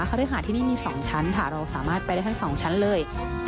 ฤหาสที่นี่มี๒ชั้นค่ะเราสามารถไปได้ทั้ง๒ชั้นเลย